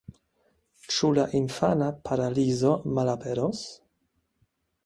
Ĉu la infana paralizo malaperos?